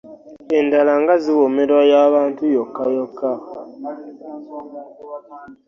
Endala nga ziwoomerwa ya bantu yokka yokka.